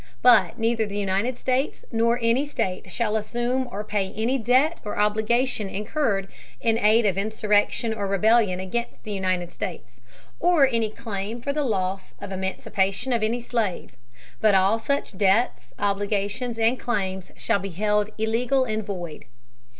But neither the United States nor any State shall assume or pay any debt or obligation incurred in aid of insurrection or rebellion against the United States, or any claim for the loss or emancipation of any slave; but all such debts, obligations and claims shall be held illegal and void.